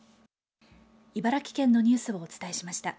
茨城県のニュースをお伝えしました。